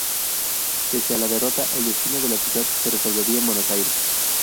Pese a la derrota, el destino de la ciudad se resolvería en Buenos Aires.